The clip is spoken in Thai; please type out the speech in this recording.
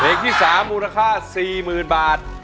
เพลงที่สามมูลค่า๔๐๐๐๐บาท